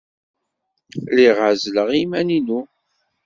Lliɣ ɛezzleɣ iman-inu.